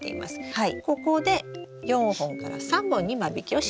ここで４本から３本に間引きをします。